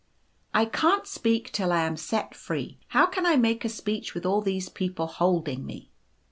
c I can't speak till I am set free ; how can I make a speech with all these people holding me